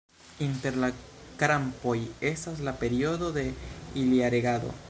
Inter la krampoj estas la periodo de ilia regado.